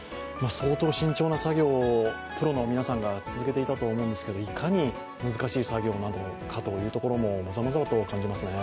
相当慎重な作業をプロの皆さんが続けていたと思うんですけどいかに難しい作業なのかというところも、まざまざと感じますね。